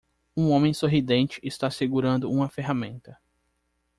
Um homem sorridente está segurando uma ferramenta.